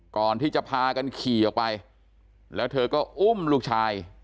ก่อนที่จะพากันขี่ออกไปแล้วเธอก็อุ้มลูกชาย